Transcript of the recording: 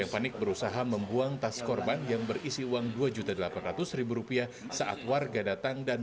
yang panik berusaha membuang tas korban yang berisi uang dua juta delapan ratus rupiah saat warga datang dan